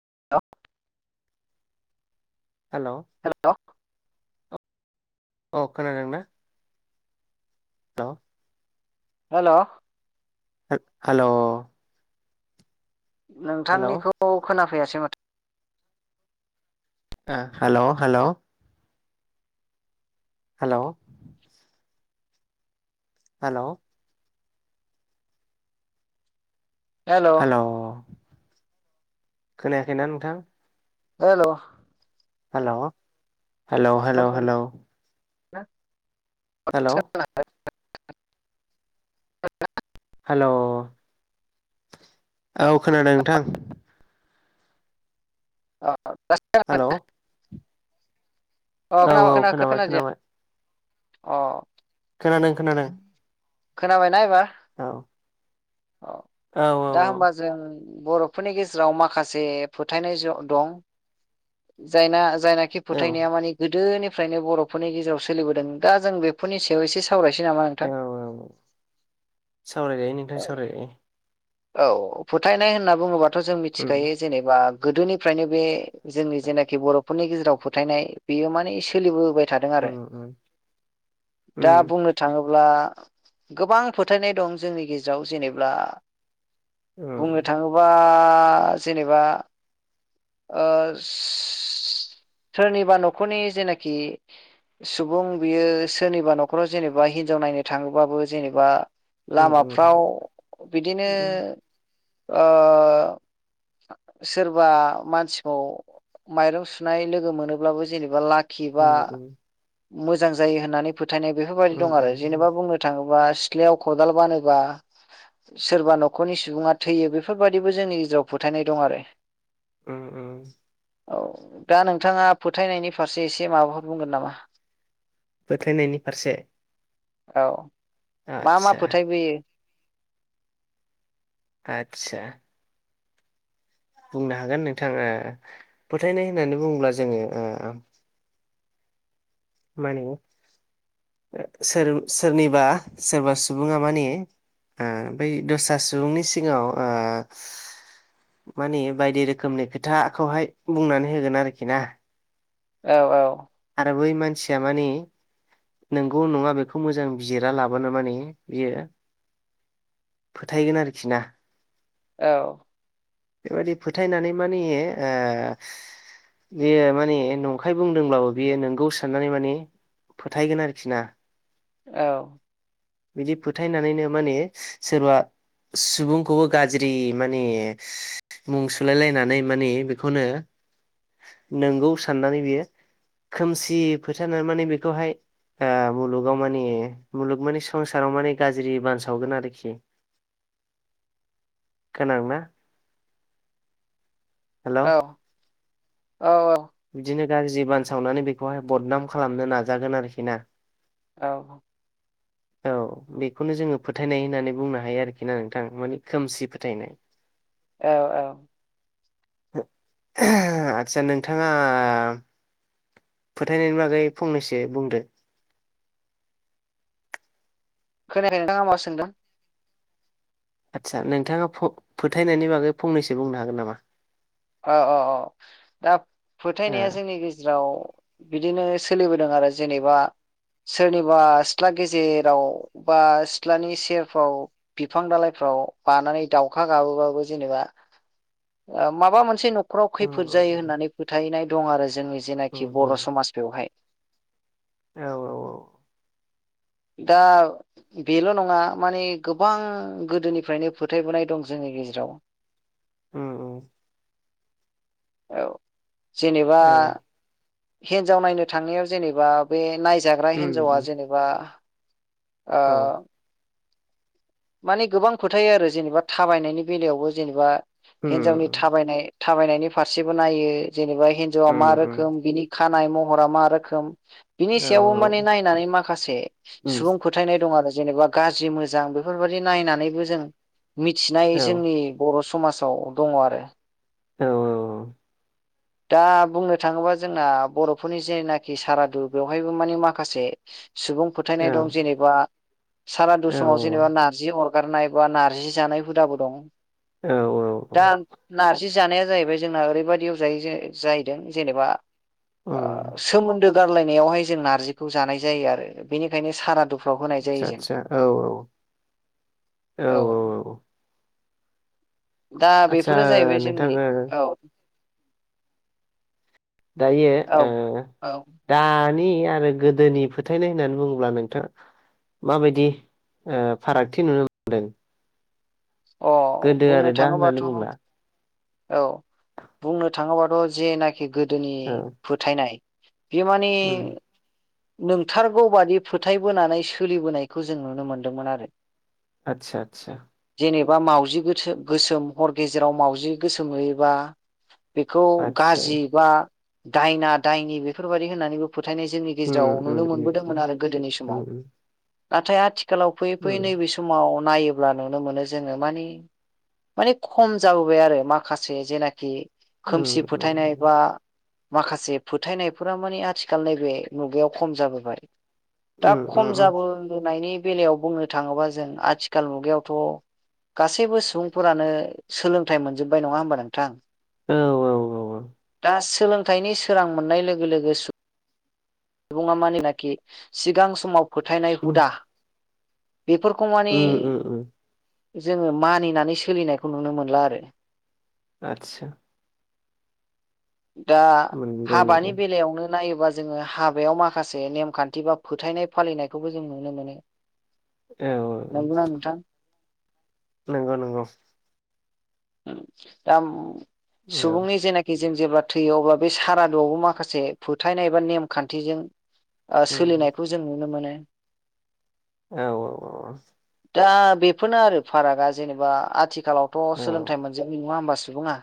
[inaudible] Hello hello अ खोनादोंना hello hello hello hello नोंथांनिखौ खोनाफैयासै माथो। हेल' हेल' हेल' हेल' हेल' खोनायाखैना नोंथां हेल' हेल' हेल' हेल' हेल' ह [inaudible] हेल' [unintelligible] हेल' औ खोनादों नोंथां अ हेल' औ [unintelligible] अ औ खोना खोनाबाय खोनादिया खोनाबाय अ खोनादों खोनादों खोनाबायना एबार औ औ दा होमबा जों बर'फोरनि गेजेराव माखासे फोथायनाय दं जायना। जायनाखि औ औ फोथायनाया माने गोदोनिफ्रायनो बर'फोरनि गेजेराव सोलिबोदों दा जों बेफोरनि सायाव एसे साव‌ सावरायसै नामा औ नोंथां। सावरायजायो नोंथां सावराय जानो। औ फोथायनाय होनना बुङोबाथ' जों उम मिथिखायो जेनेबा। गोदोनिफ्रायनो बे जोंनि जेनाखि बर'फोरनि गेजेराव फोथायनाय बेयो माने सोलिबोबाय थानाय। थादों उम आरो उम दा बुंनो थाङोब्ला। गोबां फोथायनाय दं जोंनि गेजेराव जेनेब्ला। बुंनो उम थाङोबा जेनेबा। ओ सोरनिबा न'खरनि जेनाखि। सुबुं बियो सोरनिबा न'खराव जेनेबा हिनजाव नायनो थाङोबाबो जेनेबा। उम उम लामाफ्राव उम बिदिनो। उम सोरबा मानसिखौ माइरं सुनाय लोगो मोनोब्लाबो जेनेबा लाखि। खिबा उम मोजां जायो होननानै फोथायनाय बेफोरबायदि उम दं आरो उम उम जेनेबा बुंनो थाङोबा। सिथ्लायाव खदाल बानोबा। सोरबा न'खरनि सुबुङा थैयो बेफोरबाददिबो जोंनि गेजेराव फोथायनाय दं आरो। ओ ओ। औ दा नोंथाङा फोथायनायनि फारसे एसे माबाफोर बुंगोन नामा? फोथायनायनि फारसे। औ मा मा आदसा फोथायबोयो। आतसा। बुंनो हागोन नोंथाङा फोथायनाय होननानै बुङोब्ला जोङो ओ। माने। सोर सोरनिबा सोरबा सुबुङा माने। ओ बै दस्रा सुबुंनि सिगाङाव। मानिे बायदि रोखोमनि खोथाखौहाय बुंनानै होगोन आरोखि ना। औ औ। आरो बै मानसिया माने। नंगौ नङा बेखौ मोजां बिजिरा लाबोनो माने बियो। फोथायगोन आरोखि ना। औ। बेबायदि फोथायनानै मानो ओ। बेयो माने नंखाय बुंदोंब्लाबो बेयो नोंगौ साननानै माने। फोथायगोन आरोखि ना। औ। बिदि फोथायनानैनो माने सोरबा। सुबुंखौबो गाज्रि माने मुं सुलायलायनानै माने बेखौनो। नंगौ साननानै बियो। खोमसि फोथायनानै माने बेखौहाय मुलुगाव माने मुलुग माने। संसाराव माने गाज्रि बानसावगोन आरोखि। खोनादोंना? हेलौ औ। औ बिदिनो गाज्रि बानसावनानै बेखौहाय बदनाम खालामनो नाजागोन आरोखि ना। औ। औ बेखौनो जोङो फोथायनाय होननानै बुंनो हायो आरोखि ना नोंथां मानि खोमसि फोथायनाय। औ औ। आचसा नोंथाङा? फोथायनायनि बागै फंनैसो बुंदो। [inaudible] [inaudible] आदसा नोंथाङा फोथायनायनि बागै फंनैसो बुंनो हागोन नामा औ औ औ दा फोथायनाया जोंनि गेजेराव बिदिनो सोलिबोदों आरो जेनेबा सोरनिबा सिथ्ला गेजेराव बा सिथ्लानि सेरफ्राव बिफां दालइफोराव आव बानानै दाउखा गाबोबाबो जेनेबा माबा मोनसे न'खराव ओ खैफोद जायो उम होननानै फोथायनाय दं आरो जोंनि उम जेनाखि बर' उम समाज बेवहाय औ औ औ दा बेल' नङा माने गोबां गोदोनिफ्रायनो फोथायबोनाय दं जोङो नि गेजेराव औ औ औ जेनेबा औ हिनजाव नायनो थांनायाव जेनेबा बे नायजाग्रा उम हिन्जावा उम जेनेबा आ औ माने गोबां फोथायो आरो जेनेबा थाबायनायनि बेलायावबो जेनेबा उम हिनजावनि थाबायनाय थाबायनायनि फारसेबो नायो जेनेबा हिनजावा उम मा उम रोखोम बिनि खानाय महरा मा रोखोम बिनि औ सायावबो माने नायनानै माखासे उम सुबुं फोथायनाय दं आरो जेनेबा गाज्रि मोजां बेफोरबाददि नायनानैबो जों मिथिनाय औ जोंनि बर' समाजाव दङ आरो औ औ दा बुंनो थाङोबा जोंना बर'फोरनि जेनाखि सारादु बेवहायबो मानिे माखासे सुबुं फोथायनाय दं जेनेबा सारादु औ समाव जेनेबा नार्जि अरगारनाय बा नार्जि जानाय हुदाबो दं। औ औ औ बि जानाया जाहैबाय जोंना ओरैबायाददियाव जाय जाहैदों जेनेबा उम सोमोन्दो ओ गारलनायावहाय ज नारजिखौ जानाय जायो आरो बेनिखायनो सारा दु आतसा सासा औ औ औ औ औ दा आदसा बेफोरो जाहैबाय नोंथां जोंनि ओ औ दायो औ ओ औ दा नि आरो गोदोनि फोथायनाय होननानै बुङोब्ला नोंथाङा माबायदि फारागथि ओ नुनो मोनदों? अ गोदो बुंनो आरो दा होननानै थाङोबाथ' बुंब्ला औ बुंनो थाङोबाथ' जेनाखि गोदोनि औ फोथायनाय बिमानि उम नंथारगौ बादि फोथायबोनानै सोलिबोनायखौ जों नुनो मोनदोंमोन आरो आतसा आतसा जेनेबा मावाउजि गोस गोसोम हर गेजेराव म मावउजि गोसोम होयोबा बेखौ आतसा गाज्रि बा दायना दायनि बेफोरबायाददि होननानैबो फोथायनाय जोंनि उम गेजेराव नुनो उम मोनबोदोंमोन उम आरो गोदोनि समाव नाथाय आ आथिखालाव फैयै फैयै उम नैबे समाव नायोब्ला नुनो मोनो जोंङो मानि मानि खम जाबोबाय आरो माखासे जेनाखि उम उम खोमसि फोथायनाय बा माखासे फोथायनायफोरा मानि आथिखाल नैबे मुगायाव खम जाबोबाय। दा उम खम उम उम जाबोनायनि बेलायाव बुंनो थाङोबा जों आथिखाल मुगायावथ' गासैबो सुबुंफोरानो सोलोंथाइ मोनजोब्बाय नङा होमबा नोंथां। औ औ औ औ दा सोलोंथाइनि सोरां मोननाय लोगो लोगो सुबुङा मानिनाखि सिगां समाव फोथायनाय उम हुदा बेफोरखौ माने उम उम उम जोंङो मानिनानै सोलिनायखौ नुनो मोनला आरो आतसा दा नंगौ नंगौ हाबानि बेलायावनो नायोबा जोंङो हाबा बेयाव माखासे नेमखान्थि बा फोथायनाय फालिनायखौबो जों नुनो मोनो। औ नंगौना नोंथां नंगौ नंगौ दा सुबुंनि जेनाखि जों जेब्ला थैयो अब्ला बे सारादुआवबो माखासे फोथायनाय एबा नेमखान्थिजों उम सोलिनायखौ जों नुनो मोनो। औ औ औ दा बेफोरनो आरो फारागा जेनेबा आथिखालावथ' औ औ सोलोंथाइ मोनजानायनाय नंङाबा सुबुङा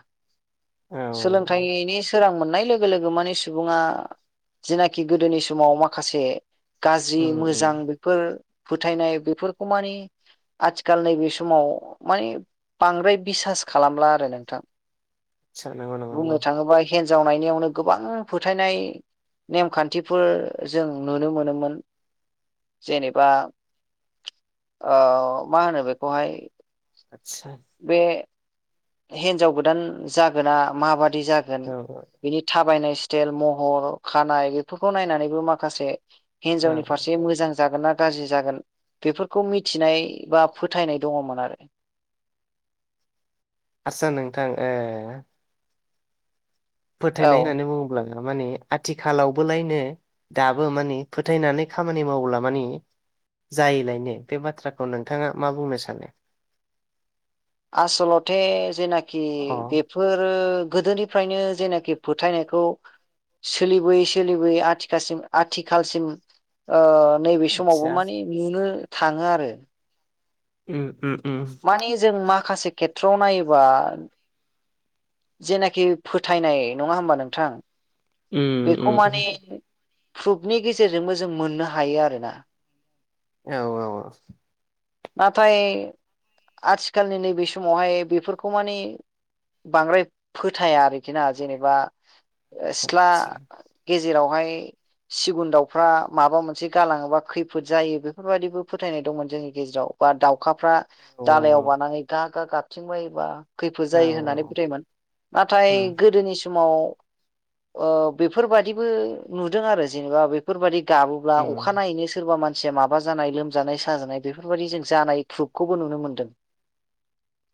औ सोलोंथाइनि सोरां मोननाय लोगो लोगो माने सुबुङा जिनाखि गोदोनि समाव माखासे गाज्रि उम उम मोजां बेफोर फोथायनाय बेफोरखौ माने आथिखाल नैबे समाव माने बांद्राय बिसास खालामला आरो नोंथां आतचा नंगौ नंगौ नंगौ हिन्जाव नायनियावनो गोबां फोथायनाय नेमखान्थिफोर जों नुनो मोनोमोन जेनेबा ओ मा होनो बेखौहाय आतसा बे हिनजाव गोदान जागोना माबादि जागोन औ बिनि थाबायनाय स्तेल महर खानाय बेफोरखौ नायनानैबो माखासे औ हिनजावनि औ फारसे मोजां जागोन ना गाज्रि जागोन बेफोरखौ मिथिनाय बा फोथायनाय दङमोन आरो । [inaudible] आसा नोंथां ओ फोथायनाय औ होननानै बुङोब्ला माने आथिखालावबोलायनो दाबो माने फोथायनानै खामानि मावला माने जायैलायनो बे बाथ्राखौ नोंथाङा मा बुंनो सानो आसलथे जेनाखि अ बेफोरो गोदोनिफ्रायनो जेनाखि फोथायनायखौ सोलिबोयै सोलिबोयै आथिखालसिम आथिखालसिम नैबे समावबो आतसा माने नुनो थाङो आरो उ उ माने जों माखासे खेथ्रआव नायोबा जेनाखि फोथायनाय नङा होमबा नोंथां। उ बेखौ उ माने उ प्रुफनि गेजेरजोंबो जों मोननो हायो आरोना औ औ नाथाय आथिखालनि नैबे समावहाय बेफोरखौ माने बांद्राय फोथाया आरोखि ना जेनेबा सिथ्ला आतसा गेजेरावहाय सिगुन दाउफ्रा माबा मोनसे गालाङोबा खैफोद जायो बेफोरबायाददिबो फोथायनाय दंमोन जोंनि गेजेराव बा दाउखाफ्रा औ दालायाव बानानै गा गा गारथिं बायोबा खैफोद औ जायो होननानै औ फोथायोमोन नाथाय उम गोदोनि समाव ओ बेफोरबाददिबो नुदों आरो जेनेबा बेफोरबायादि गाबोब्ला अखा उम नायैनो सोरबा मानसिया माबा जानाय लोमजानाय साजानाय बेफोरबायदि जों जानाय क्रुुबखौबो नुनो मोनदों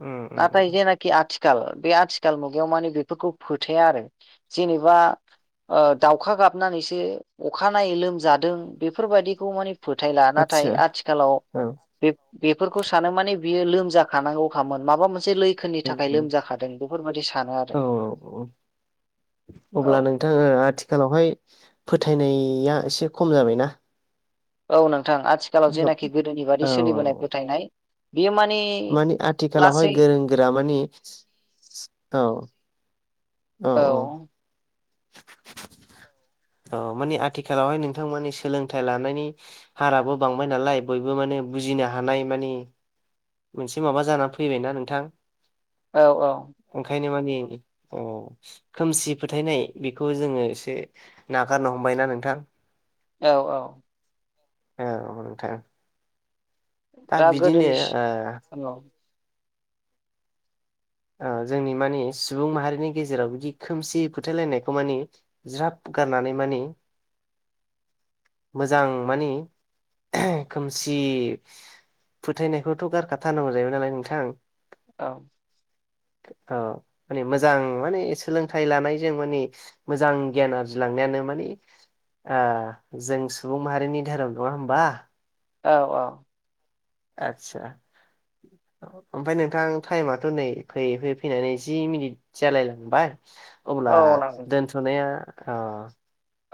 उम नाथाय उम जेनाख आ थिखाल बे आथिखाल मुगायाव माने बेफोरखौ फोथाया आरो जेनेबा ओ दाउखा गाबनानैसो अखानायनायै लोमजादों बेफोरबायदिखौ माने फोथायला नाथाय आतसा आथिखालाव औ बे बेफोरखौ सानो माने बियो लोमजाखानांगौ अखामोन माबा मोन से लैखोननि उम थाखाय उम लोमजाखादों बेफोरबाददि सानो आरो औ औ अब्ला औ नोंथाङा आथिखालावहाय फोथायनाया एसे खम जाबायना औ नोंथां आथिखालाव जेनाखि गोदोनि औ बादि सोलिबोनाय फोथायनाय बियो माने मानि आथिखालावहाय लासै गोरों गोरा मानि औ औ औ [inaudible] औ मानि आथिखालावहाय नोंथांमोननि सोलोंथाइ लानायनि हाराबो बांबाय नालाय बयबो माने बुजिनो हानाय मानि मोनसे माबा जानानै फैबायना नोंथां। औ औ ए अ खोमसि फोथायनाय बेखौ जोङो एसे नागारनो हमबायना नोंथां। औ औ औ नोंथां दा बिदिनो ओ औ औ ओ जोंनि मानि सुबुं माहारिनि गेजेराव बिदि खोमसि फोथायलायनायखौ मानि ज्राब गारनानै मानि मोजां मानि खोमसि फोथायनायखौथ' गारखाथारनांगौ जाहैबाय नालाय नोंथां औ औ माने मोजां माने सोलोंथाइ लानायजों माने मोजां गियान आरजिलांनायानो मोन ओ जों सुबुं माहारिनि धोरोम नङा हबा औ औ आतसा ओमफ्राय नोंथां टाइमाथ' नै फैयै फैयै फैनानै जि मिनिट जालायलांबाय अब्ला औ दोनथ'नाया अ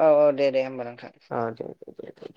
औ औ दे दे होमबालाय आ दे दे दे दे